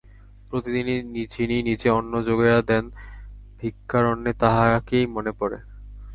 প্রতিদিনই যিনি নিজে অন্ন জোগাইয়া দেন ভিক্ষার অন্নে তাঁহাকেই মনে পড়ে।